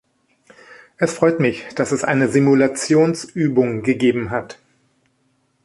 Es freut mich, dass es eine Simulationsübung gegeben hat.